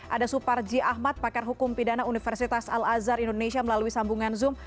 ada suparji ahmad pakar hukum pidana universitas al azhar indonesia melalui sambungan zoom